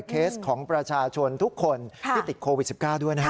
เคสของประชาชนทุกคนที่ติดโควิด๑๙ด้วยนะครับ